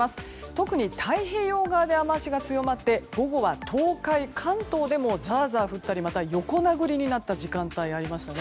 特に太平洋側で雨脚が強まって午後は東海、関東でもザーザー降ったりまた横殴りになった時間帯がありましたね。